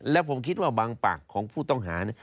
และผมคิดว่าบางปากของผู้ต้องหา